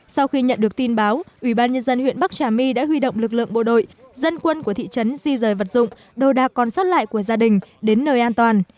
sau khi nhận được tin báo ubnd huyện bắc trà my đã huy động lực lượng bộ đội dân quân của thị trấn di rời vật dụng đồ đạc còn sót lại của gia đình đến nơi an toàn